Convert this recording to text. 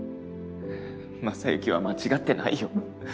征行は間違ってないよ。